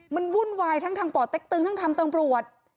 มันวุ่นวายทั้งทางป่อเต็กตึงทั้งทางตำรวจ